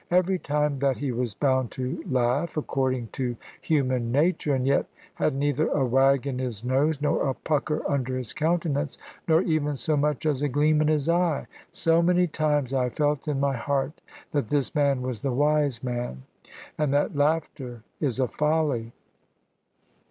Every time that he was bound to laugh, according to human nature, and yet had neither a wag in his nose, nor a pucker upon his countenance, nor even so much as a gleam in his eye, so many times I felt in my heart that this man was the wise man, and that laughter is a folly.